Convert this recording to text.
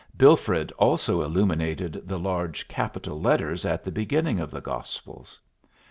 Bilfrid also illuminated the large capital letters at the beginning of the gospels.